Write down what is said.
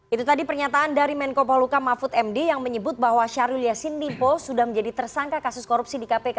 itu tadi pernyataan dari menko paluka mahfud md yang menyebut bahwa syahrul yassin limpo sudah menjadi tersangka kasus korupsi di kpk